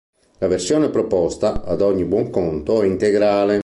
La versione proposta, ad ogni buon conto, è integrale.